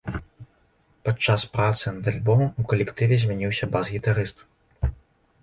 Падчас працы над альбомам у калектыве змяніўся бас-гітарыст.